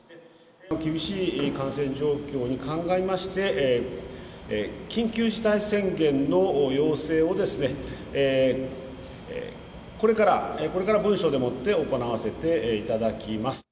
厳しい感染状況にかんがみまして、緊急事態宣言の要請を、これから文書でもって行わせていただきます。